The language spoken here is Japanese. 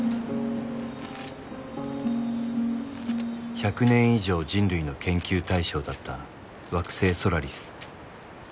［１００年以上人類の研究対象だった惑星ソラリス］